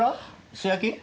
素焼き？